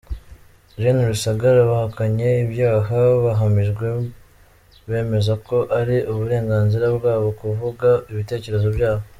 Gen Rusagara bahakanye ibyaha bahamijwe bemeza ko ari uburenganzira bwabo kuvuga ibitekerezo byabo.